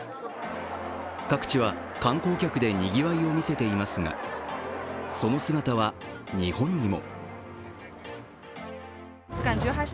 各地は観光客でにぎわいを見せていますがその姿は日本にも。